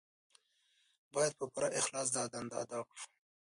باید په پوره اخلاص دا دنده ادا کړو.